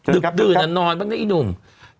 ดึกดื่นนอนบังญะอีกหนึ่ง